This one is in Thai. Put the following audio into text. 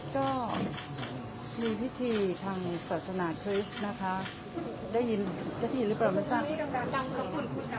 ก็มีพิธีทางศาสนาคริสต์นะคะได้ยินเจ้าที่หรือเปล่าไม่ทราบ